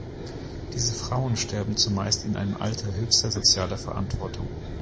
Diese Frauen sterben zumeist in einem Alter höchster sozialer Verantwortung.